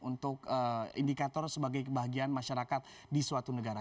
untuk indikator sebagai kebahagiaan masyarakat di suatu negara